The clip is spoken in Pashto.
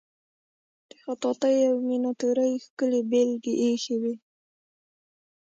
د خطاطی او میناتوری ښکلې بیلګې ایښې وې.